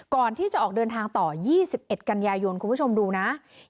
ก่อนที่จะออกเดินทางต่อ๒๑กันยายนคุณผู้ชมดูนะ